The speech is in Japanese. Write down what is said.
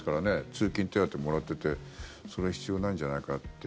通勤手当もらっててその必要ないんじゃないかって。